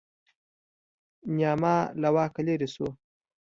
نیاما له واکه لرې شو.